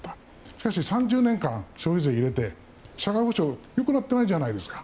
しかし、３０年間消費税を入れても社会保障良くなってないじゃないです。